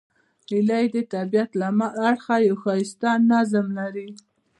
هیلۍ د طبیعت له اړخه یو ښایسته نظم لري